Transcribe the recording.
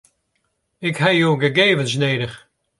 Ik ha jo gegevens nedich.